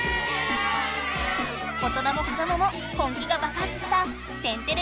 大人も子どもも本気が爆発した天てれ